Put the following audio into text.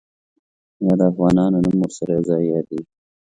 یا د افغانانو نوم ورسره یو ځای یادېږي.